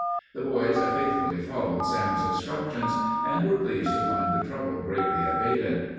The boys faithfully followed Sam's instructions and were pleased to find the trouble greatly abated.